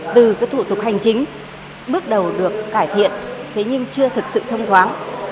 từ thủ tục hành chính bước đầu được cải thiện thế nhưng chưa thực sự thông thoáng